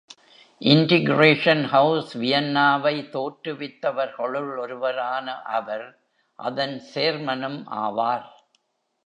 Integration House Vienna-வை தோற்றுவித்தவர்களுள் ஒருவரான அவர் அதன் சேர்மேனும் ஆவார்.